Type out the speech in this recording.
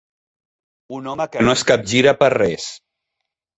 Un home que no es capgira per res.